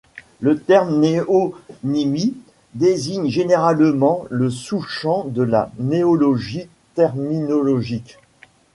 Le terme néonymie désigne généralement le sous-champ de la néologie terminologique.